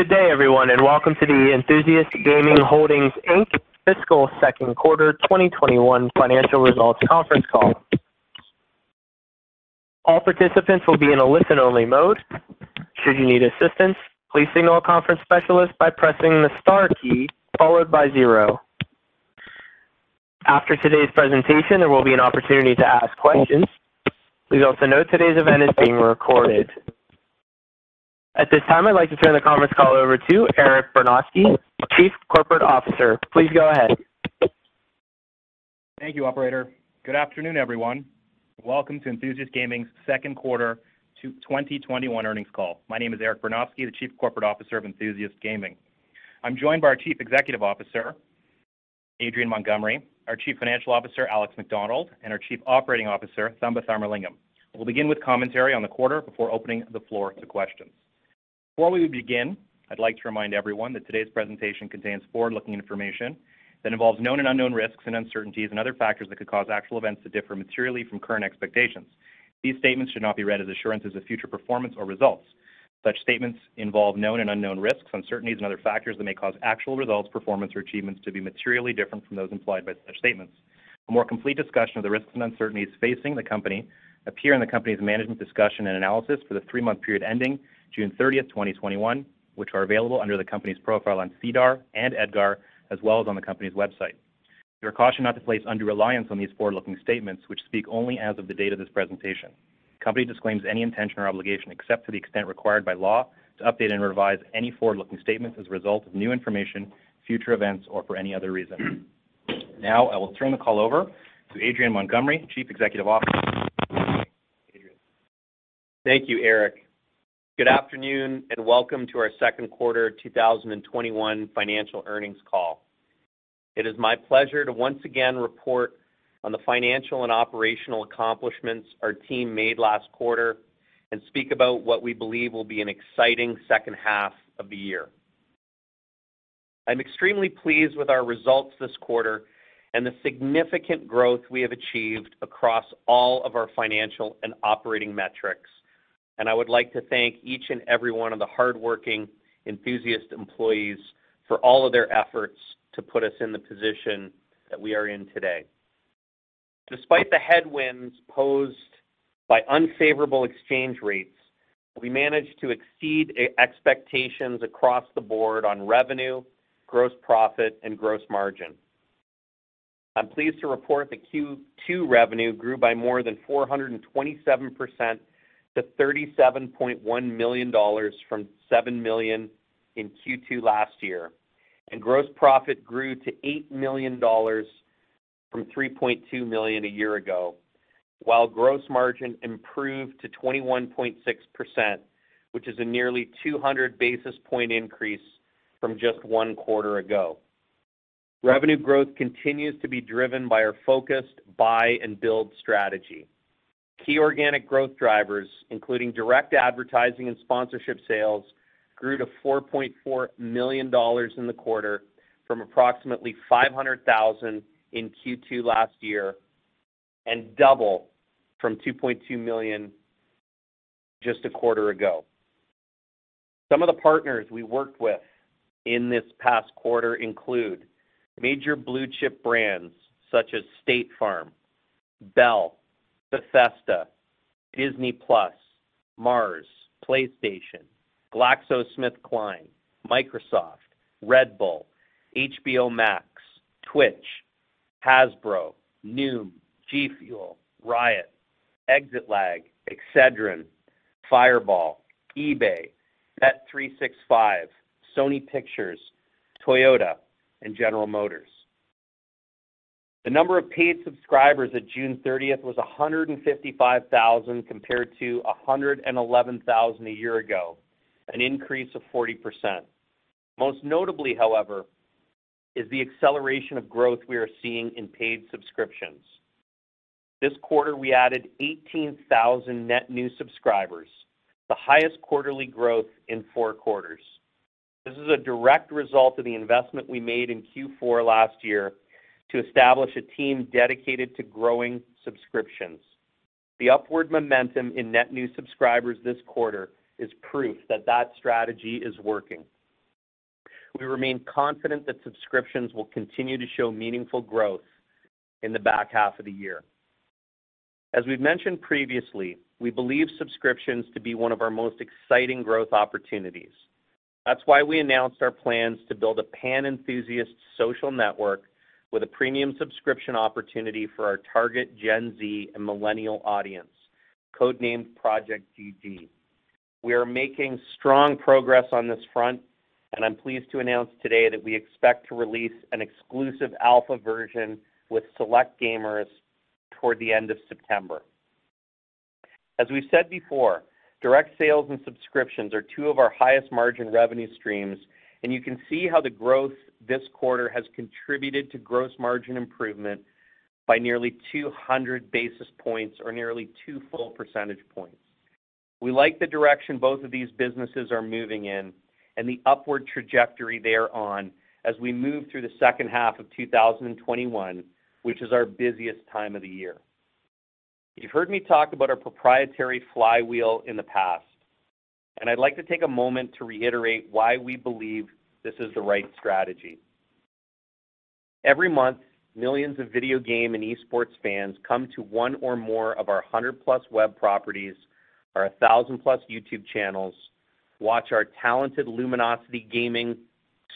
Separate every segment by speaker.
Speaker 1: Good day, everyone, and welcome to the Enthusiast Gaming Holdings Inc. Fiscal Second Quarter 2021 Financial Results conference call. All participants will be in a listen-only mode. Should you need assistance, please signal a conference specialist by pressing the star key followed by zero. After today's presentation, there will be an opportunity to ask questions. Please also note today's event is being recorded. At this time, I'd like to turn the conference call over to Eric Bernofsky, Chief Corporate Officer. Please go ahead.
Speaker 2: Thank you, operator. Good afternoon, everyone. Welcome to Enthusiast Gaming's Second Quarter to 2021 Earnings call. My name is Eric Bernofsky, the Chief Corporate Officer of Enthusiast Gaming. I'm joined by our Chief Executive Officer, Adrian Montgomery, our Chief Financial Officer, Alex Macdonald, and our Chief Operating Officer, Thamba Tharmalingam. We'll begin with commentary on the quarter before opening the floor to questions. Before we begin, I'd like to remind everyone that today's presentation contains forward-looking information that involves known and unknown risks and uncertainties and other factors that could cause actual events to differ materially from current expectations. These statements should not be read as assurances of future performance or results. Such statements involve known and unknown risks, uncertainties, and other factors that may cause actual results, performance, or achievements to be materially different from those implied by such statements. A more complete discussion of the risks and uncertainties facing the company appear in the company's management discussion and analysis for the three-month period ending June 30th, 2021, which are available under the company's profile on SEDAR and EDGAR, as well as on the company's website. We are cautioned not to place undue reliance on these forward-looking statements, which speak only as of the date of this presentation. The company disclaims any intention or obligation, except to the extent required by law, to update and revise any forward-looking statements as a result of new information, future events, or for any other reason. Now, I will turn the call over to Adrian Montgomery, Chief Executive Officer. Adrian.
Speaker 3: Thank you, Eric. Good afternoon, welcome to our Second Quarter 2021 Financial Earnings call. It is my pleasure to once again report on the financial and operational accomplishments our team made last quarter and speak about what we believe will be an exciting second half of the year. I'm extremely pleased with our results this quarter and the significant growth we have achieved across all of our financial and operating metrics, and I would like to thank each and every one of the hardworking Enthusiast employees for all of their efforts to put us in the position that we are in today. Despite the headwinds posed by unfavorable exchange rates, we managed to exceed expectations across the board on revenue, gross profit, and gross margin. I'm pleased to report that Q2 revenue grew by more than 427% to 37.1 million dollars from 7 million in Q2 last year. Gross profit grew to 8 million dollars from 3.2 million a year ago, while gross margin improved to 21.6%, which is a nearly 200 basis point increase from just one quarter ago. Revenue growth continues to be driven by our focused buy and build strategy. Key organic growth drivers, including direct advertising and sponsorship sales, grew to 4.4 million dollars in the quarter from approximately 500,000 in Q2 last year, and double from 2.2 million just a quarter ago. Some of the partners we worked with in this past quarter include major blue-chip brands such as State Farm, Bell, Bethesda, Disney+, Mars, PlayStation, GlaxoSmithKline, Microsoft, Red Bull, HBO Max, Twitch, Hasbro, Noom, G FUEL, Riot, ExitLag, Excedrin, Fireball, eBay, bet365, Sony Pictures, Toyota, and General Motors. The number of paid subscribers at June 30th was 155,000 compared to 111,000 a year ago, an increase of 40%. Most notably, however, is the acceleration of growth we are seeing in paid subscriptions. This quarter, we added 18,000 net new subscribers, the highest quarterly growth in four quarters. This is a direct result of the investment we made in Q4 last year to establish a team dedicated to growing subscriptions. The upward momentum in net new subscribers this quarter is proof that strategy is working. We remain confident that subscriptions will continue to show meaningful growth in the back half of the year. As we've mentioned previously, we believe subscriptions to be one of our most exciting growth opportunities. That's why we announced our plans to build a pan-Enthusiast social network with a premium subscription opportunity for our target Gen Z and millennial audience, codenamed Project GG. We are making strong progress on this front, and I'm pleased to announce today that we expect to release an exclusive alpha version with select gamers toward the end of September. As we've said before, direct sales and subscriptions are two of our highest margin revenue streams, and you can see how the growth this quarter has contributed to gross margin improvement by nearly 200 basis points or nearly two full percentage points. We like the direction both of these businesses are moving in and the upward trajectory they are on as we move through the second half of 2021, which is our busiest time of the year. You've heard me talk about our proprietary flywheel in the past, and I'd like to take a moment to reiterate why we believe this is the right strategy. Every month, millions of video game and esports fans come to one or more of our 100-plus web properties, our 1,000-plus YouTube channels, watch our talented Luminosity Gaming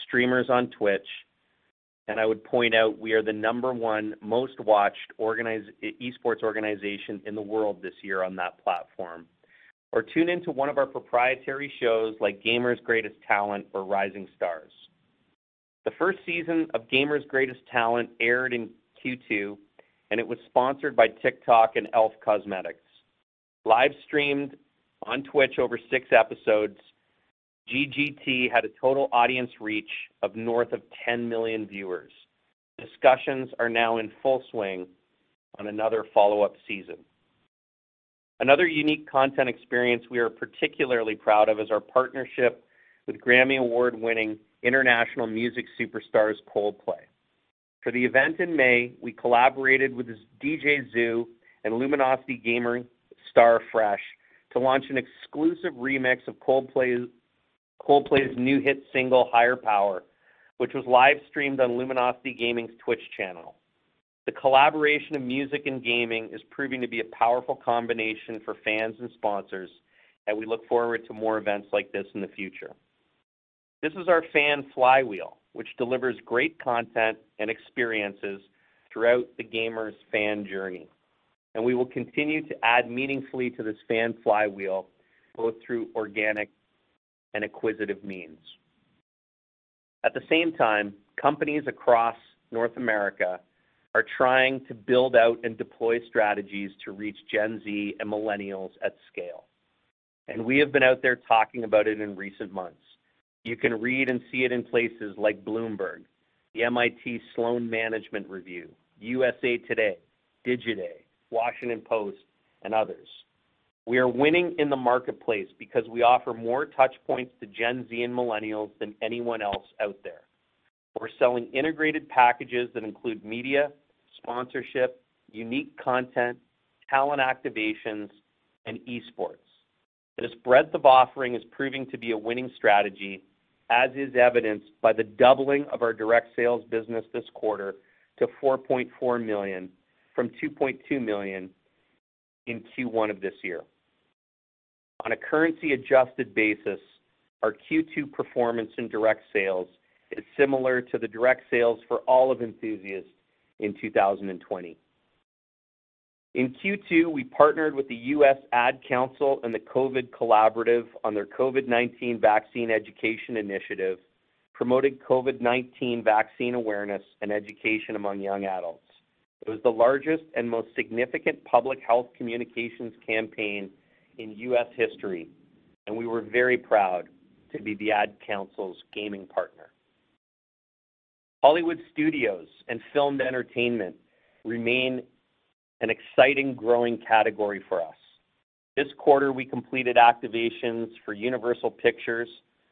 Speaker 3: streamers on Twitch. I would point out we are the number one most-watched esports organization in the world this year on that platform. Tune into one of our proprietary shows like "Gamer's Greatest Talent" or "Rising Stars." The first season of "Gamer's Greatest Talent" aired in Q2, and it was sponsored by TikTok and e.l.f. Cosmetics. Live-streamed on Twitch over six episodes, GGT had a total audience reach of north of 10 million viewers. Discussions are now in full swing on another follow-up season. Another unique content experience we are particularly proud of is our partnership with Grammy Award-winning international music superstars Coldplay. For the event in May, we collaborated with ZHU and Luminosity Gaming star Fresh to launch an exclusive remix of Coldplay's new hit single, "Higher Power," which was live-streamed on Luminosity Gaming's Twitch channel. The collaboration of music and gaming is proving to be a powerful combination for fans and sponsors, and we look forward to more events like this in the future. This is our fan flywheel, which delivers great content and experiences throughout the gamers' fan journey, and we will continue to add meaningfully to this fan flywheel, both through organic and acquisitive means. At the same time, companies across North America are trying to build out and deploy strategies to reach Gen Z and millennials at scale. We have been out there talking about it in recent months. You can read and see it in places like Bloomberg, the MIT Sloan Management Review, USA Today, Digiday, Washington Post, and others. We are winning in the marketplace because we offer more touchpoints to Gen Z and millennials than anyone else out there. We're selling integrated packages that include media, sponsorship, unique content, talent activations, and esports. This breadth of offering is proving to be a winning strategy, as is evidenced by the doubling of our direct sales business this quarter to 4.4 million from 2.2 million in Q1 of this year. On a currency-adjusted basis, our Q2 performance in direct sales is similar to the direct sales for all of Enthusiast in 2020. In Q2, we partnered with the Ad Council and the COVID Collaborative on their COVID-19 vaccine education initiative, promoting COVID-19 vaccine awareness and education among young adults. It was the largest and most significant public health communications campaign in U.S. history, and we were very proud to be the Ad Council's gaming partner. Hollywood studios and filmed entertainment remain an exciting growing category for us. This quarter, we completed activations for Universal Pictures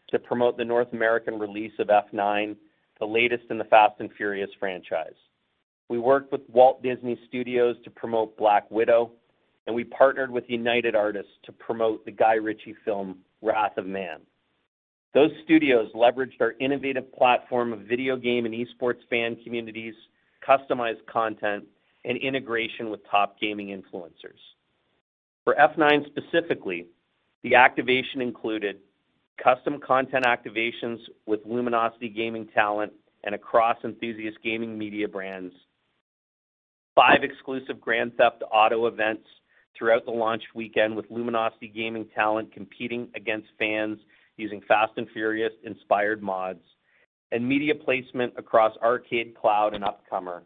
Speaker 3: to promote the North American release of "F9," the latest in the "Fast & Furious" franchise. We worked with Walt Disney Studios to promote "Black Widow," and we partnered with United Artists to promote the Guy Ritchie film "Wrath of Man." Those studios leveraged our innovative platform of video game and esports fan communities, customized content, and integration with top gaming influencers. For "F9" specifically, the activation included custom content activations with Luminosity Gaming talent and across Enthusiast Gaming media brands, five exclusive "Grand Theft Auto" events throughout the launch weekend with Luminosity Gaming talent competing against fans using "Fast & Furious"-inspired mods, and media placement across ArcadeCloud and Upcomer,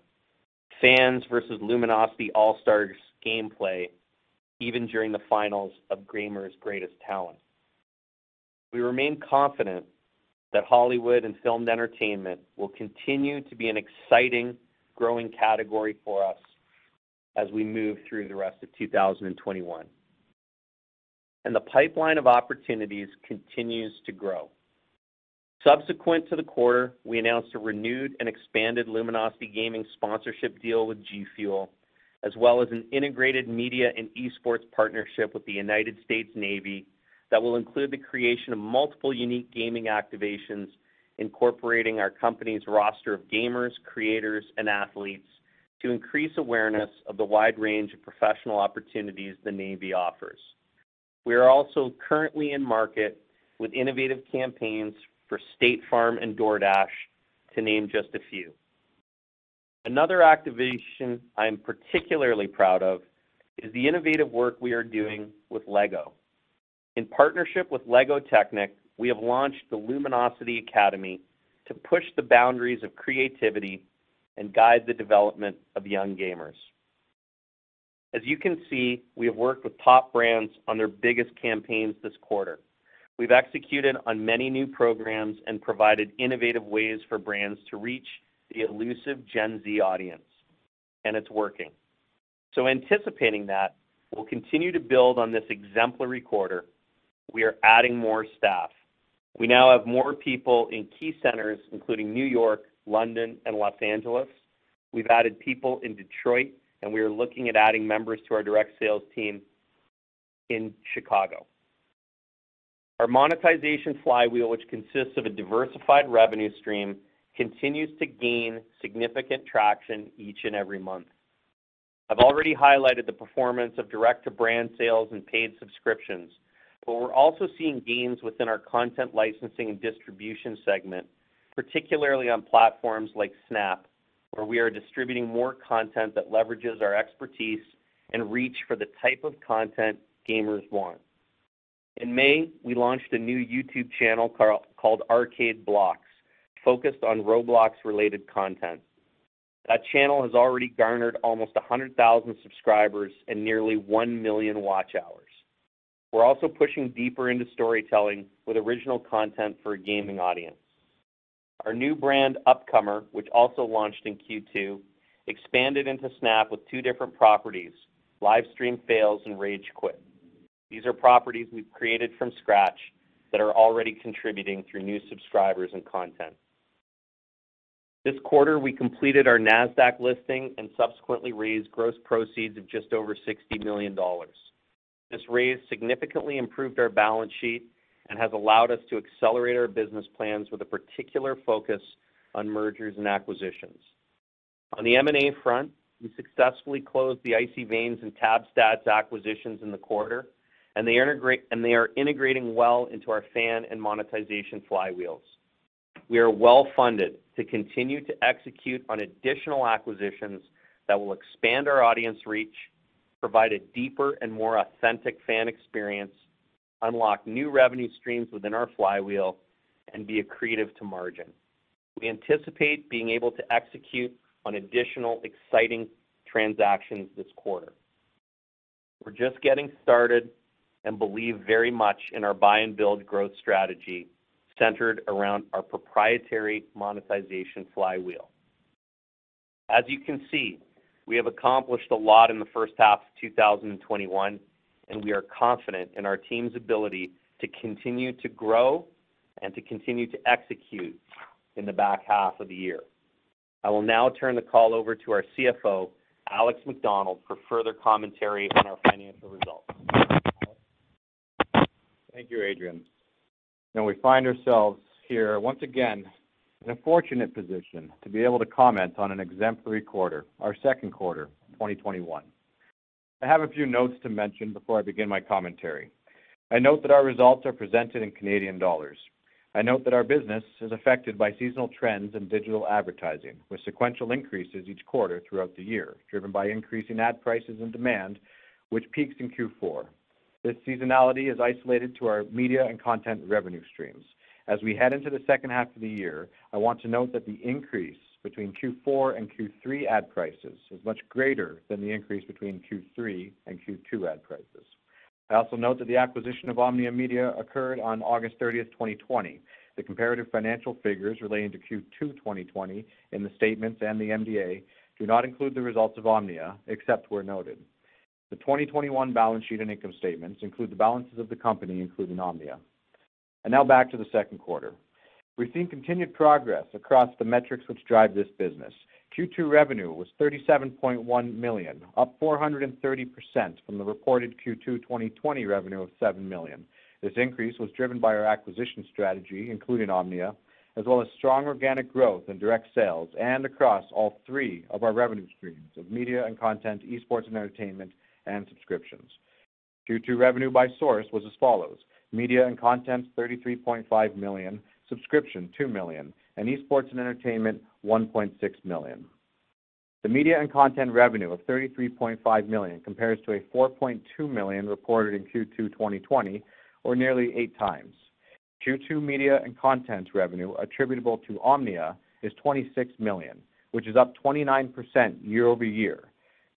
Speaker 3: fans versus Luminosity all-stars gameplay, even during the finals of "Gamers Greatest Talent." We remain confident that Hollywood and filmed entertainment will continue to be an exciting growing category for us as we move through the rest of 2021, and the pipeline of opportunities continues to grow. Subsequent to the quarter, we announced a renewed and expanded Luminosity Gaming sponsorship deal with G FUEL, as well as an integrated media and esports partnership with the United States Navy that will include the creation of multiple unique gaming activations incorporating our company's roster of gamers, creators, and athletes to increase awareness of the wide range of professional opportunities the Navy offers. We are also currently in market with innovative campaigns for State Farm and DoorDash, to name just a few. Another activation I am particularly proud of is the innovative work we are doing with LEGO. In partnership with LEGO Technic, we have launched the Luminosity Academy to push the boundaries of creativity and guide the development of young gamers. As you can see, we have worked with top brands on their biggest campaigns this quarter. We've executed on many new programs and provided innovative ways for brands to reach the elusive Gen Z audience. It's working. Anticipating that, we'll continue to build on this exemplary quarter. We are adding more staff. We now have more people in key centers including N.Y., London, and L.A. We've added people in Detroit. We are looking at adding members to our direct sales team in Chicago. Our monetization flywheel, which consists of a diversified revenue stream, continues to gain significant traction each and every month. I've already highlighted the performance of direct-to-brand sales and paid subscriptions. We're also seeing gains within our content licensing and distribution segment, particularly on platforms like Snap, where we are distributing more content that leverages our expertise and reach for the type of content gamers want. In May, we launched a new YouTube channel called ArcadeBlox, focused on Roblox-related content. That channel has already garnered almost 100,000 subscribers and nearly one million watch hours. We're also pushing deeper into storytelling with original content for a gaming audience. Our new brand, Upcomer, which also launched in Q2, expanded into Snap with two different properties, Livestream Fails and Rage Quit. These are properties we've created from scratch that are already contributing through new subscribers and content. This quarter, we completed our NASDAQ listing and subsequently raised gross proceeds of just over 60 million dollars. This raise significantly improved our balance sheet and has allowed us to accelerate our business plans with a particular focus on mergers and acquisitions. On the M&A front, we successfully closed the Icy Veins and TabStats acquisitions in the quarter, and they are integrating well into our fan and monetization flywheels. We are well-funded to continue to execute on additional acquisitions that will expand our audience reach, provide a deeper and more authentic fan experience, unlock new revenue streams within our flywheel, and be accretive to margin. We anticipate being able to execute on additional exciting transactions this quarter. We're just getting started and believe very much in our buy and build growth strategy centered around our proprietary monetization flywheel. As you can see, we have accomplished a lot in the first half of 2021, and we are confident in our team's ability to continue to grow and to continue to execute in the back half of the year. I will now turn the call over to our CFO, Alex Macdonald, for further commentary on our financial results. Alex?
Speaker 4: Thank you, Adrian. We find ourselves here once again in a fortunate position to be able to comment on an exemplary quarter, our second quarter of 2021. I have a few notes to mention before I begin my commentary. I note that our results are presented in Canadian dollars. I note that our business is affected by seasonal trends in digital advertising, with sequential increases each quarter throughout the year, driven by increasing ad prices and demand, which peaks in Q4. This seasonality is isolated to our media and content revenue streams. As we head into the second half of the year, I want to note that the increase between Q4 and Q3 ad prices is much greater than the increase between Q3 and Q2 ad prices. I also note that the acquisition of Omnia Media occurred on August 30th, 2020. The comparative financial figures relating to Q2 2020 in the statements and the MDA do not include the results of Omnia, except where noted. The 2021 balance sheet and income statements include the balances of the company, including Omnia. Now back to the second quarter. We've seen continued progress across the metrics which drive this business. Q2 revenue was 37.1 million, up 430% from the reported Q2 2020 revenue of 7 million. This increase was driven by our acquisition strategy, including Omnia, as well as strong organic growth in direct sales and across all three of our revenue streams of media and content, esports and entertainment, and subscriptions. Q2 revenue by source was as follows: Media and content, 33.5 million; subscription, 2 million; and esports and entertainment, 1.6 million. The media and content revenue of 33.5 million compares to a 4.2 million reported in Q2 2020, or nearly eight times. Q2 media and content revenue attributable to Omnia is 26 million, which is up 29% year-over-year.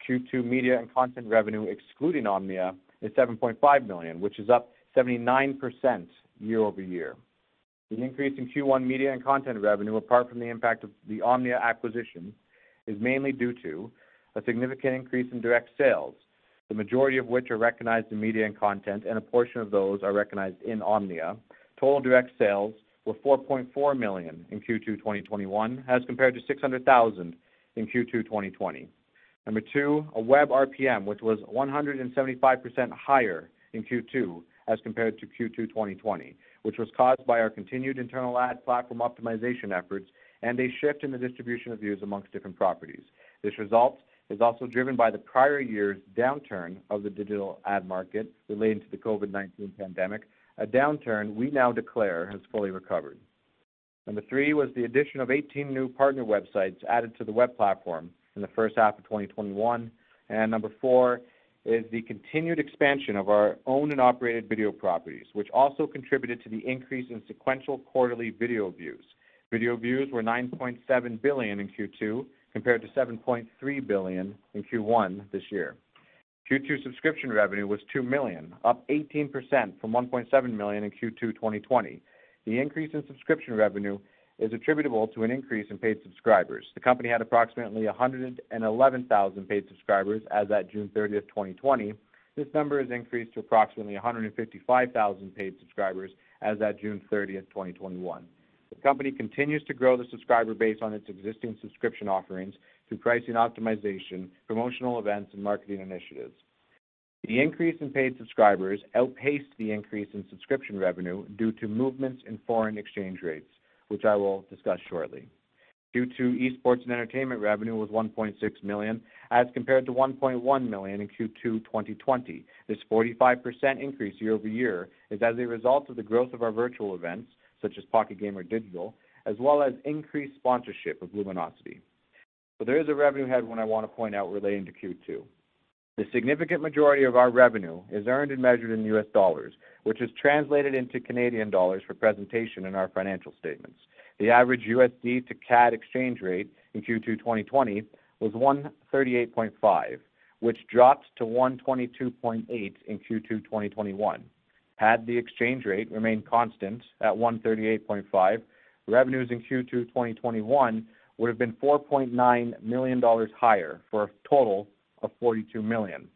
Speaker 4: Q2 media and content revenue excluding Omnia is 7.5 million, which is up 79% year-over-year. The increase in Q1 media and content revenue, apart from the impact of the Omnia acquisition, is mainly due to a significant increase in direct sales, the majority of which are recognized in media and content, and a portion of those are recognized in Omnia. Total direct sales were 4.4 million in Q2 2021 as compared to 600,000 in Q2 2020. Number two, a web RPM, which was 175% higher in Q2 as compared to Q2 2020, which was caused by our continued internal ad platform optimization efforts and a shift in the distribution of views amongst different properties. This result is also driven by the prior year's downturn of the digital ad market relating to the COVID-19 pandemic, a downturn we now declare has fully recovered. Number three was the addition of 18 new partner websites added to the web platform in the first half of 2021. Number four is the continued expansion of our own and operated video properties, which also contributed to the increase in sequential quarterly video views. Video views were 9.7 billion in Q2 compared to 7.3 billion in Q1 this year. Q2 subscription revenue was 2 million, up 18% from 1.7 million in Q2 2020. The increase in subscription revenue is attributable to an increase in paid subscribers. The company had approximately 111,000 paid subscribers as at June 30th, 2020. This number has increased to approximately 155,000 paid subscribers as at June 30th, 2021. The company continues to grow the subscriber base on its existing subscription offerings through pricing optimization, promotional events, and marketing initiatives. The increase in paid subscribers outpaced the increase in subscription revenue due to movements in foreign exchange rates, which I will discuss shortly. Q2 esports and entertainment revenue was 1.6 million, as compared to 1.1 million in Q2 2020. This 45% increase year-over-year is as a result of the growth of our virtual events, such as Pocket Gamer Connects Digital, as well as increased sponsorship of Luminosity. There is a revenue headwind I want to point out relating to Q2. The significant majority of our revenue is earned and measured in US dollars, which is translated into Canadian dollars for presentation in our financial statements. The average USD to CAD exchange rate in Q2 2020 was 138.5, which dropped to 122.8 in Q2 2021. Had the exchange rate remained constant at 138.5, revenues in Q2 2021 would've been 4.9 million dollars higher for a total of 42 million.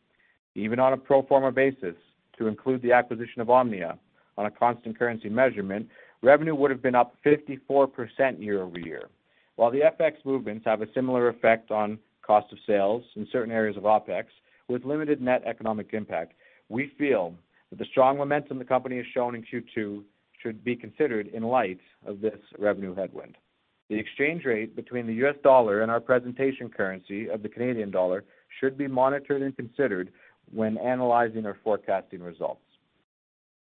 Speaker 4: Even on a pro forma basis, to include the acquisition of Omnia on a constant currency measurement, revenue would've been up 54% year-over-year. While the FX movements have a similar effect on cost of sales in certain areas of OPEX with limited net economic impact, we feel that the strong momentum the company has shown in Q2 should be considered in light of this revenue headwind. The exchange rate between the U.S. dollar and our presentation currency of the Canadian dollar should be monitored and considered when analyzing or forecasting results.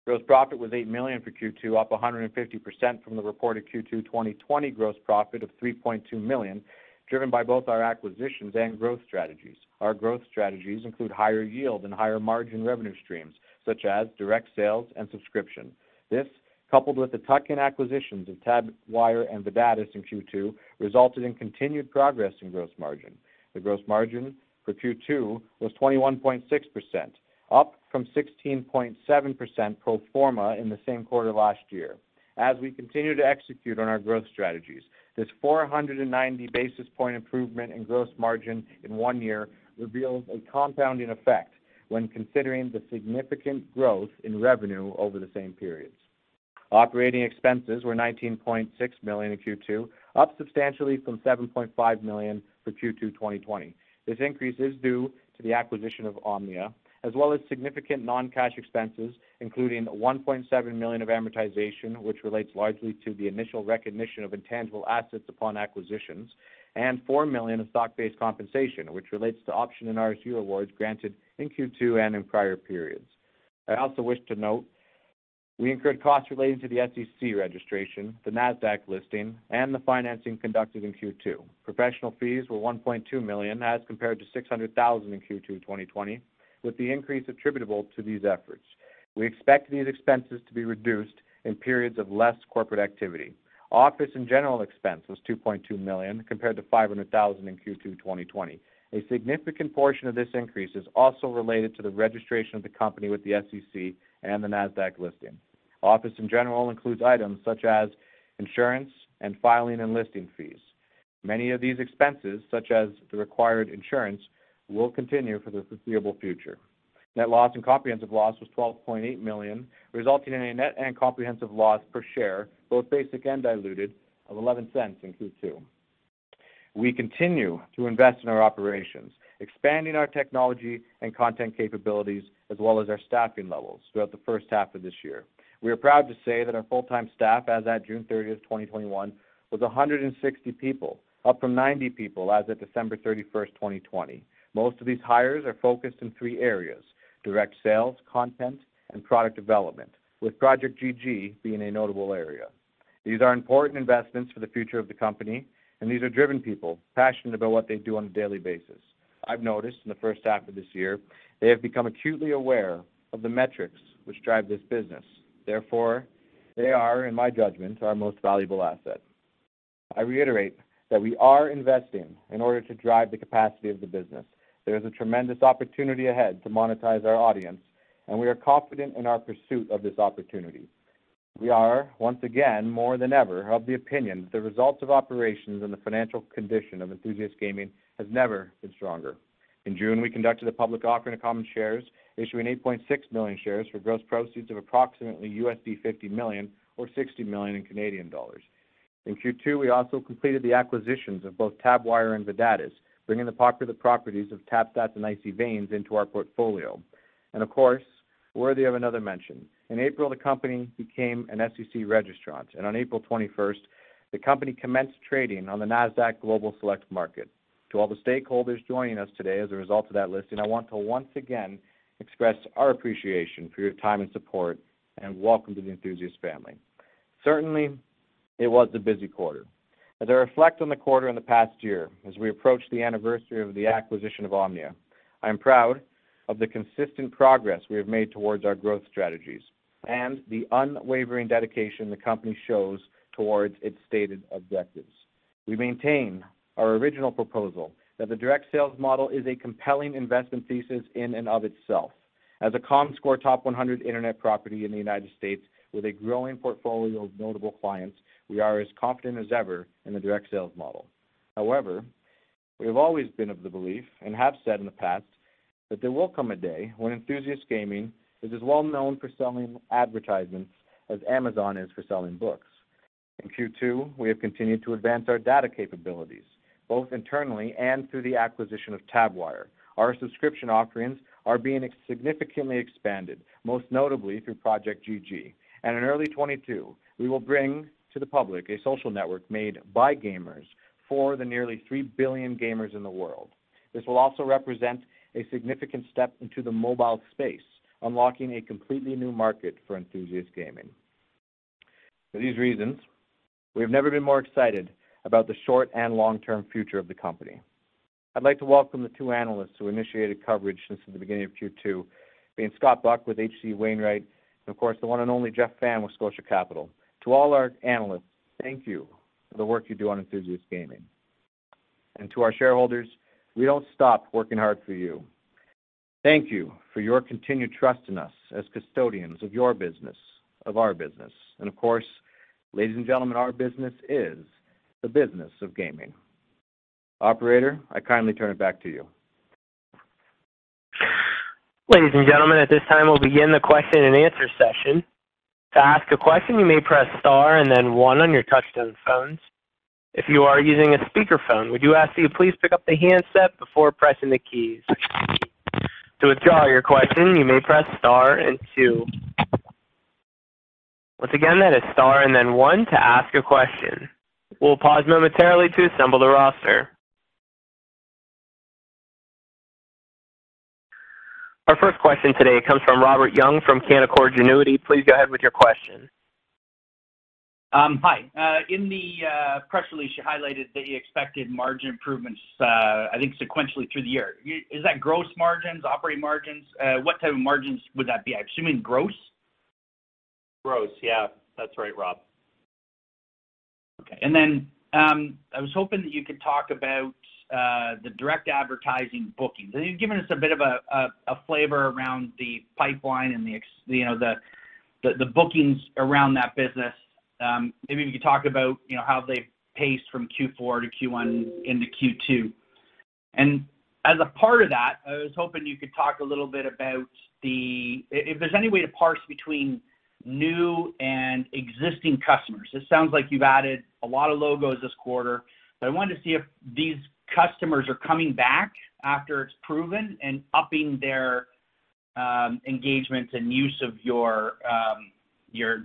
Speaker 4: Gross profit was 8 million for Q2, up 150% from the reported Q2 2020 gross profit of 3.2 million, driven by both our acquisitions and growth strategies. Our growth strategies include higher yield and higher margin revenue streams, such as direct sales and subscription. This, coupled with the tuck-in acquisitions of Tabwire and Vedatis in Q2, resulted in continued progress in gross margin. The gross margin for Q2 was 21.6%, up from 16.7% pro forma in the same quarter last year. As we continue to execute on our growth strategies, this 490-basis point improvement in gross margin in one year reveals a compounding effect when considering the significant growth in revenue over the same periods. Operating expenses were 19.6 million in Q2, up substantially from 7.5 million for Q2 2020. This increase is due to the acquisition of Omnia as well as significant non-cash expenses, including 1.7 million of amortization, which relates largely to the initial recognition of intangible assets upon acquisitions, and 4 million of stock-based compensation, which relates to option and RSU awards granted in Q2 and in prior periods. I also wish to note we incurred costs relating to the SEC registration, the NASDAQ listing, and the financing conducted in Q2. Professional fees were 1.2 million as compared to 600,000 in Q2 2020, with the increase attributable to these efforts. We expect these expenses to be reduced in periods of less corporate activity. Office and general expense was 2.2 million compared to 500,000 in Q2 2020. A significant portion of this increase is also related to the registration of the company with the SEC and the NASDAQ listing. General includes items such as insurance and filing and listing fees. Many of these expenses, such as the required insurance, will continue for the foreseeable future. Net loss and comprehensive loss was CAD 12.8 million, resulting in a net and comprehensive loss per share, both basic and diluted, of CAD 0.11 in Q2. We continue to invest in our operations, expanding our technology and content capabilities as well as our staffing levels throughout the first half of this year. We are proud to say that our full-time staff as at June 30th, 2021, was 160 people, up from 90 people as of December 31st, 2020. Most of these hires are focused in three areas: direct sales, content, and product development, with Project GG being a notable area. These are important investments for the future of the company, and these are driven people passionate about what they do on a daily basis. I've noticed in the first half of this year, they have become acutely aware of the metrics which drive this business. Therefore, they are, in my judgment, our most valuable asset. I reiterate that we are investing in order to drive the capacity of the business. There is a tremendous opportunity ahead to monetize our audience, and we are confident in our pursuit of this opportunity. We are, once again, more than ever of the opinion that the results of operations and the financial condition of Enthusiast Gaming has never been stronger. In June, we conducted a public offering of common shares, issuing 8.6 million shares for gross proceeds of approximately $50 million or 60 million. In Q2, we also completed the acquisitions of both Tabwire and Vedatis, bringing the popular properties of TabStats and Icy Veins into our portfolio. Of course, worthy of another mention, in April, the company became an SEC registrant, and on April 21st, the company commenced trading on the NASDAQ Global Select Market. To all the stakeholders joining us today as a result of that listing, I want to once again express our appreciation for your time and support, and welcome to the Enthusiast family. Certainly, it was a busy quarter. As I reflect on the quarter and the past year, as we approach the anniversary of the acquisition of Omnia, I am proud of the consistent progress we have made towards our growth strategies and the unwavering dedication the company shows towards its stated objectives. We maintain our original proposal that the direct sales model is a compelling investment thesis in and of itself. As a Comscore Top 100 internet property in the United States with a growing portfolio of notable clients, we are as confident as ever in the direct sales model. We have always been of the belief, and have said in the past, that there will come a day when Enthusiast Gaming is as well known for selling advertisements as Amazon is for selling books. In Q2, we have continued to advance our data capabilities, both internally and through the acquisition of Tabwire. Our subscription offerings are being significantly expanded, most notably through Project GG. In early 2022, we will bring to the public a social network made by gamers for the nearly 3 billion gamers in the world. This will also represent a significant step into the mobile space, unlocking a completely new market for Enthusiast Gaming. For these reasons, we have never been more excited about the short and long-term future of the company. I'd like to welcome the two analysts who initiated coverage since the beginning of Q2, being Scott Buck with H.C. Wainwright, and of course, the one and only Jeff Fan with Scotia Capital. To all our analysts, thank you for the work you do on Enthusiast Gaming. To our shareholders, we don't stop working hard for you. Thank you for your continued trust in us as custodians of your business, of our business. Of course, ladies and gentlemen, our business is the business of gaming. Operator, I kindly turn it back to you.
Speaker 1: Ladies and gentlemen, at this time, we'll begin the question-and-answer session. To ask a question, you may press star and then one on your touch-tone phones. If you are using a speakerphone, we do ask that you please pick up the handset before pressing the keys. To withdraw your question, you may press star and two. Once again, that is star and then one to ask a question. We'll pause momentarily to assemble the roster. Our first question today comes from Robert Young from Canaccord Genuity. Please go ahead with your question.
Speaker 5: Hi. In the press release, you highlighted that you expected margin improvements, I think sequentially through the year. Is that gross margins, operating margins? What type of margins would that be? I assume you mean gross.
Speaker 4: Gross. Yeah. That's right, Rob.
Speaker 5: And then, I was hoping that you could talk about the direct advertising bookings. You've given us a bit of a flavor around the pipeline and the bookings around that business. Maybe you could talk about how they've paced from Q4 to Q1 into Q2. As a part of that, I was hoping you could talk a little bit about if there's any way to parse between new and existing customers. It sounds like you've added a lot of logos this quarter, but I wanted to see if these customers are coming back after it's proven and upping their engagements and use of your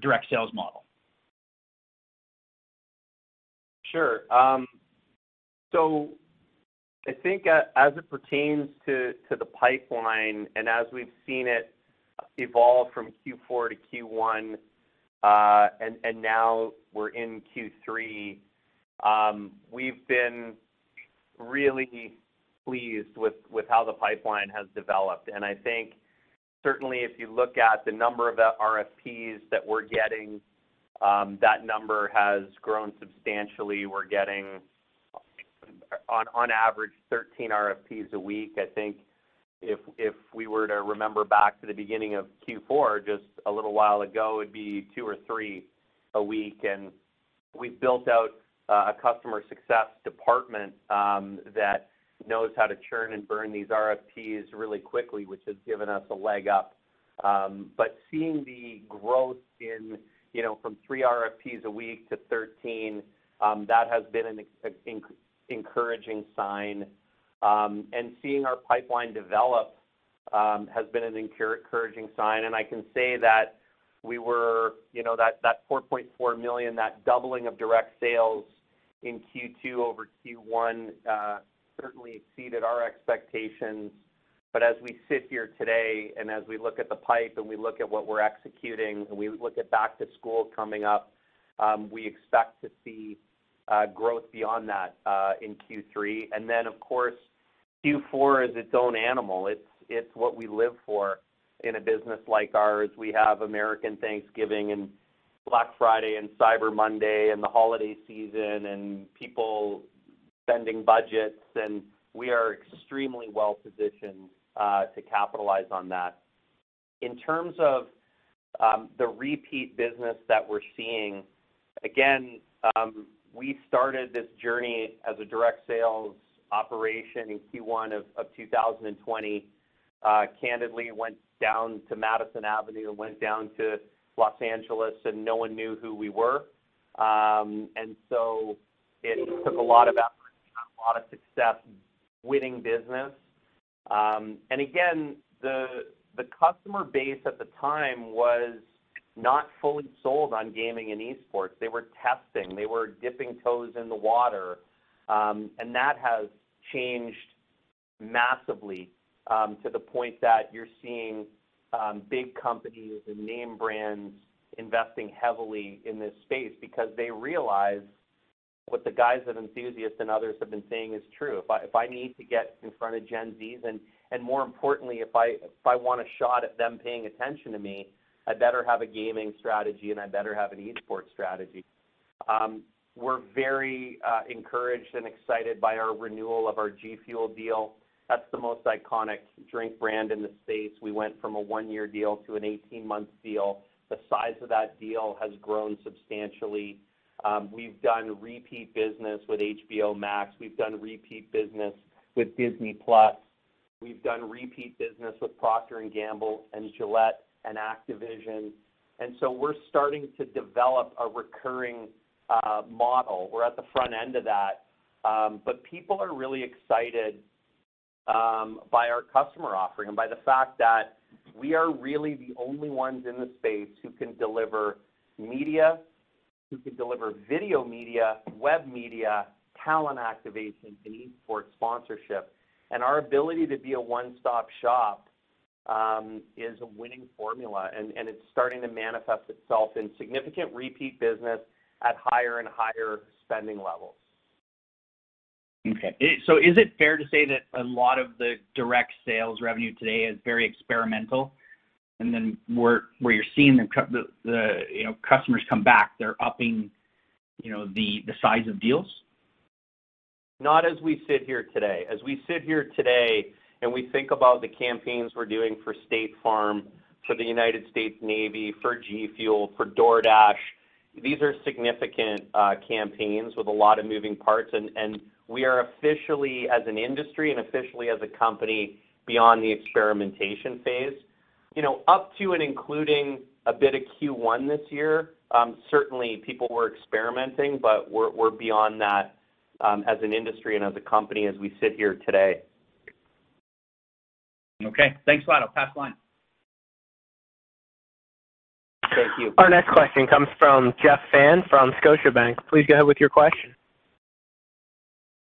Speaker 5: direct sales model.
Speaker 4: Sure. I think as it pertains to the pipeline, and as we've seen it evolve from Q4 to Q1, and now we're in Q3, we've been really pleased with how the pipeline has developed. I think certainly if you look at the number of RFPs that we're getting, that number has grown substantially. We're getting, on average, 13 RFPs a week. I think if we were to remember back to the beginning of Q4 just a little while ago, it'd be two or three a week. We've built out a customer success department that knows how to churn and burn these RFPs really quickly, which has given us a leg up. Seeing the growth from 3 RFPs a week to 13, that has been an encouraging sign. Seeing our pipeline develop has been an encouraging sign. I can say that, you know, 4.4 million, that doubling of direct sales in Q2 over Q1 certainly exceeded our expectations. As we sit here today and as we look at the pipe and we look at what we're executing and we look at back to school coming up, we expect to see growth beyond that in Q3. Of course, Q4 is its own animal. It's what we live for in a business like ours. We have American Thanksgiving and Black Friday and Cyber Monday and the holiday season and people spending budgets, and we are extremely well-positioned to capitalize on that. In terms of the repeat business that we're seeing, again, we started this journey as a direct sales operation in Q1 of 2020. Candidly, went down to Madison Avenue and went down to Los Angeles and no one knew who we were. It took a lot of effort and a lot of success winning business. Again, the customer base at the time was not fully sold on gaming and esports. They were testing. They were dipping toes in the water. That has changed massively to the point that you're seeing big companies and name brands investing heavily in this space because they realize what the guys at Enthusiast and others have been saying is true. If I need to get in front of Gen Zs, and more importantly, if I want a shot at them paying attention to me, I better have a gaming strategy and I better have an esports strategy.
Speaker 3: We're very encouraged and excited by our renewal of our G FUEL deal. That's the most iconic drink brand in the space. We went from a 1-year deal to an 18-month deal. The size of that deal has grown substantially. We've done repeat business with HBO Max. We've done repeat business with Disney+. We've done repeat business with Procter & Gamble and Gillette and Activision. We're starting to develop a recurring model. We're at the front end of that. People are really excited by our customer offering and by the fact that we are really the only ones in the space who can deliver media, who can deliver video media, web media, talent activation, and e-sport sponsorship. Our ability to be a 1-stop shop is a winning formula, and it's starting to manifest itself in significant repeat business at higher and higher spending levels.
Speaker 5: Okay. Is it fair to say that a lot of the direct sales revenue today is very experimental? Where you're seeing the customers come back, they're upping the size of deals?
Speaker 3: Not as we sit here today. As we sit here today, and we think about the campaigns we're doing for State Farm, for the United States Navy, for G FUEL, for DoorDash, these are significant campaigns with a lot of moving parts, and we are officially, as an industry, and officially as a company, beyond the experimentation phase. Up to and including a bit of Q1 this year, certainly, people were experimenting, but we're beyond that as an industry and as a company as we sit here today.
Speaker 5: Okay. Thanks a lot. I'll pass the line.
Speaker 3: Thank you.
Speaker 1: Our next question comes from Jeff Fan from Scotiabank. Please go ahead with your question.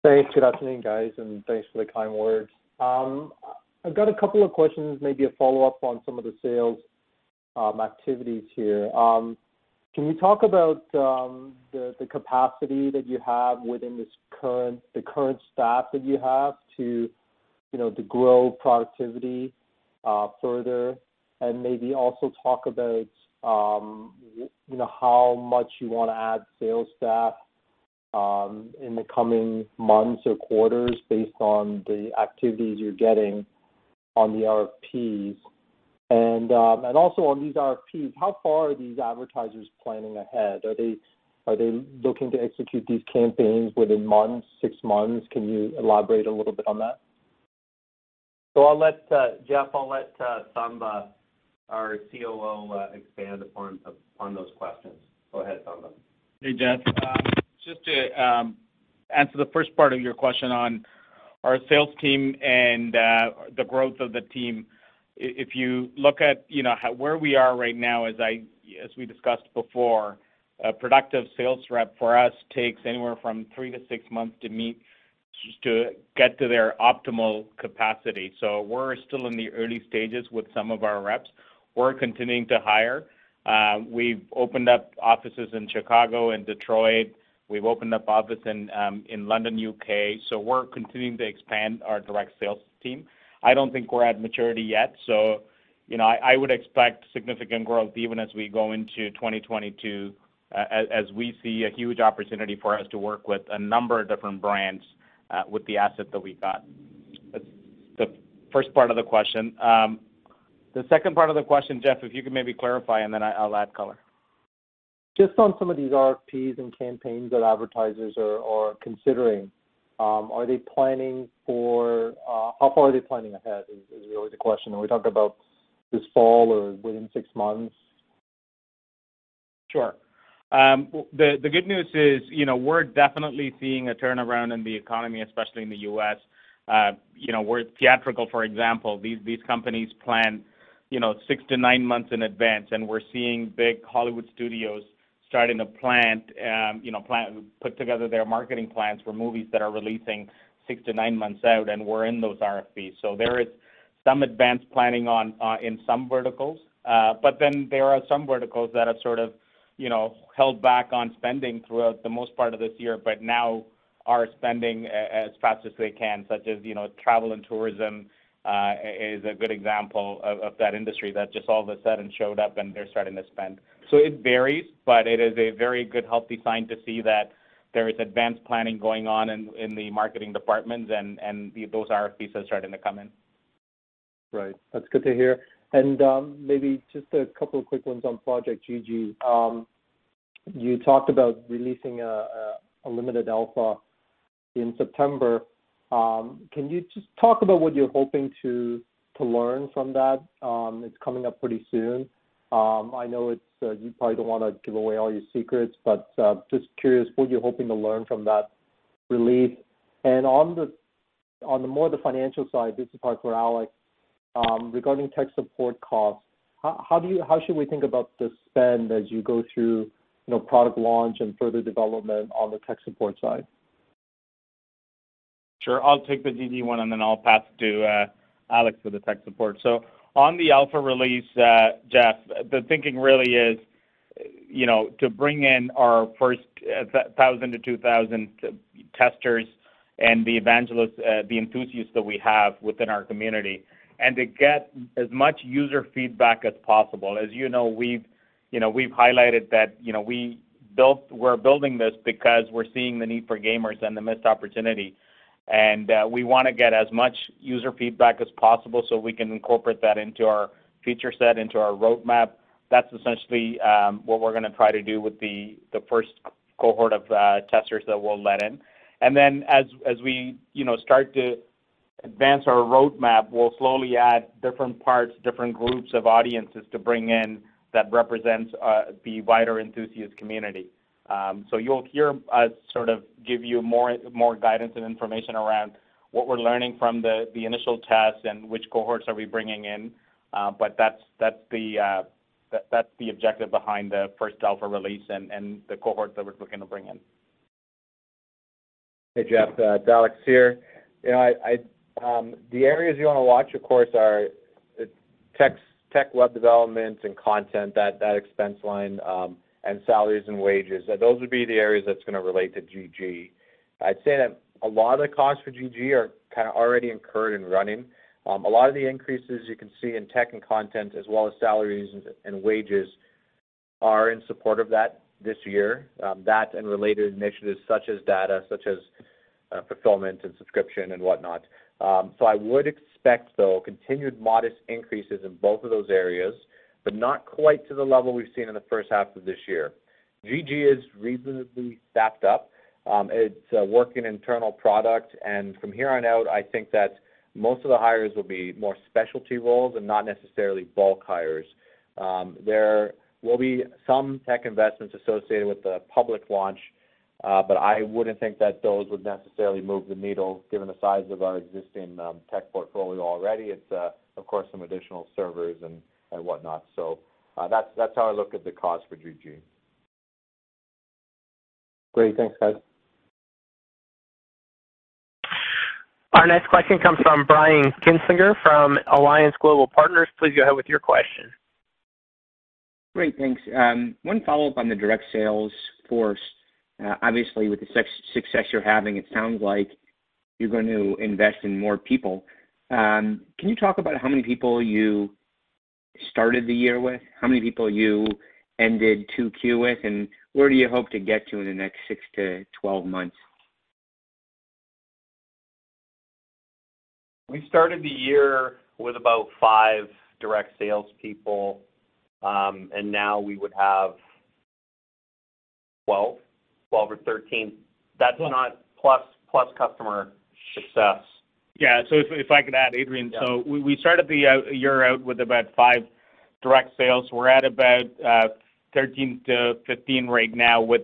Speaker 6: Thanks. Good afternoon, guys, and thanks for the kind words. I've got a couple of questions, maybe a follow-up on some of the sales activities here. Can you talk about the capacity that you have within the current staff that you have to, you know, grow productivity further? Maybe also talk about how much you want to add sales staff in the coming months or quarters based on the activities you're getting on the RFPs. Also on these RFPs, how far are these advertisers planning ahead? Are they looking to execute these campaigns within months, six months? Can you elaborate a little bit on that?
Speaker 3: Jeff, I'll let Thamba, our COO, expand upon those questions. Go ahead, Thamba.
Speaker 7: Hey, Jeff. Just to answer the first part of your question on our sales team and the growth of the team. If you look at, you know, where we are right now, as we discussed before, a productive sales rep for us takes anywhere from 3-6 months to get to their optimal capacity. We're still in the early stages with some of our reps. We're continuing to hire. We've opened up offices in Chicago and Detroit. We've opened up offices in London, U.K. We're continuing to expand our direct sales team. I don't think we're at maturity yet, so, you know, I would expect significant growth even as we go into 2022, as we see a huge opportunity for us to work with a number of different brands with the asset that we got. That's the first part of the question. The second part of the question, Jeff, if you could maybe clarify, and then I'll add color.
Speaker 6: Just on some of these RFPs and campaigns that advertisers are considering. How far are they planning ahead, is really the question. Are we talking about this fall or within six months?
Speaker 7: Sure. The good news is, you know, we're definitely seeing a turnaround in the economy, especially in the U.S., with theatrical for example. These companies plan 6-9 months in advance, and we're seeing big Hollywood studios starting to put together their marketing plans for movies that are releasing 6-9 months out, and we're in those RFPs. There is some advanced planning in some verticals. There are some verticals that have sort of held back on spending throughout the most part of this year, but now are spending as fast as they can, such as travel and tourism is a good example of that industry that just all of a sudden showed up and they're starting to spend. It varies, but it is a very good, healthy sign to see that there is advanced planning going on in the marketing departments and those RFPs are starting to come in.
Speaker 6: Right. That's good to hear. Maybe just a couple of quick ones on Project GG. You talked about releasing a limited alpha in September. Can you just talk about what you're hoping to learn from that? It's coming up pretty soon. I know you probably don't want to give away all your secrets, but just curious what you're hoping to learn from that release. On the more the financial side, this is probably for Alex, regarding tech support costs, how should we think about the spend as you go through product launch and further development on the tech support side?
Speaker 7: Sure. I'll take the GG one, and then I'll pass to Alex for the tech support. On the alpha release, Jeff, the thinking really is to bring in our first 1,000 to 2,000 testers and the evangelists, the enthusiasts that we have within our community, and to get as much user feedback as possible. As you know, we've highlighted that we're building this because we're seeing the need for gamers and the missed opportunity, and we want to get as much user feedback as possible so we can incorporate that into our feature set, into our roadmap. That's essentially what we're going to try to do with the first cohort of testers that we'll let in. As we start to advance our roadmap, we'll slowly add different parts, different groups of audiences to bring in that represents the wider enthusiast community. You'll hear us sort of give you more guidance and information around what we're learning from the initial tests and which cohorts are we bringing in. That's the objective behind the first alpha release and the cohorts that we're looking to bring in.
Speaker 4: Hey, Jeff. Alex here. The areas you want to watch, of course, are tech web development and content, that expense line, and salaries and wages. Those would be the areas that's going to relate to GG. I'd say that a lot of the costs for GG are kind of already incurred and running. A lot of the increases you can see in tech and content as well as salaries and wages are in support of that this year, that and related initiatives such as data, such as fulfillment and subscription and whatnot. I would expect, though, continued modest increases in both of those areas, but not quite to the level we've seen in the first half of this year. GG is reasonably staffed up. It's a work in internal product. From here on out, I think that most of the hires will be more specialty roles and not necessarily bulk hires. There will be some tech investments associated with the public launch, I wouldn't think that those would necessarily move the needle, given the size of our existing tech portfolio already. It's, of course, some additional servers and whatnot. That's how I look at the cost for GG.
Speaker 6: Great. Thanks, guys.
Speaker 1: Our next question comes from Brian Kinstlinger from Alliance Global Partners. Please go ahead with your question.
Speaker 8: Great, thanks. One follow-up on the direct sales force. Obviously, with the success you're having, it sounds like you're going to invest in more people. Can you talk about how many people you started the year with, how many people you ended 2Q with, and where do you hope to get to in the next 6-12 months?
Speaker 3: We started the year with about five direct salespeople, now we would have 12 or 13. That's not plus customer success.
Speaker 7: Yeah. If I could add, Adrian.
Speaker 3: Yeah.
Speaker 7: We started the year out with about five direct sales. We're at about 13 to 15 right now with